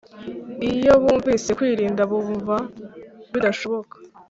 Iyo bumvise kwirinda bumva bidashoboka